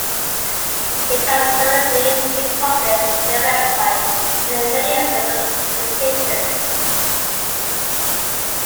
It has subsequently been published on their website and in many of their publications.